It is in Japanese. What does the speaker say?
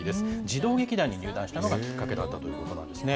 児童劇団に入団したのがきっかけだったということなんですね。